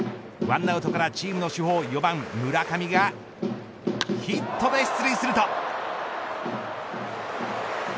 １アウトからチームの主砲、４番村上がヒットで出塁すると。